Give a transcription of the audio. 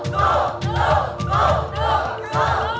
สู้